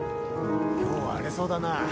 「今日は荒れそうだな」